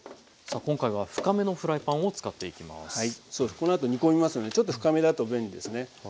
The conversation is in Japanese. このあと煮込みますのでちょっと深めだと便利ですね。